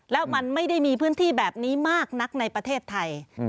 แล้วมันไม่ได้มีพื้นที่แบบนี้มากนักในประเทศไทย